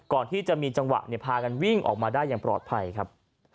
ก่อนที่จะมีจังหวะพากันวิ่งออกมาได้อย่างปลอดภัยครับ